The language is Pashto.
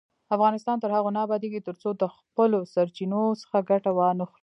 افغانستان تر هغو نه ابادیږي، ترڅو د خپلو سرچینو څخه ګټه وانخلو.